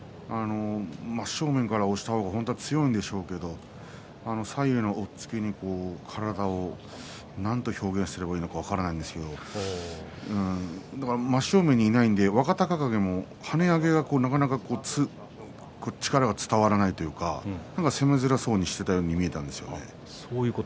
真正面から押した方が本当は強いんでしょうが左右の押っつけに、体を何て表現すればいいか分からないんですけれども真正面にいないので若隆景も跳ね上げがなかなか力が伝わらないというか攻めづらそうにしたように見えました。